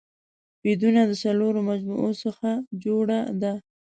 ويدونه د څلورو مجموعو څخه جوړه ده